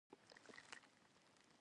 ډېر ممنون یم.